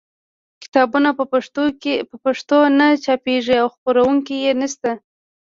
کتابونه په پښتو نه چاپېږي او خپرونکي یې نشته.